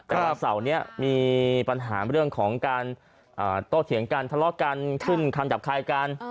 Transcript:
แต่ว่าเสาร์นี้มีปัญหาเรื่องของการโต้เถียงกันทะเลาะกันขึ้นคำหยาบคายกัน